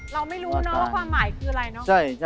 เราไม่รู้นะว่าความหมายคืออะไรเนาะ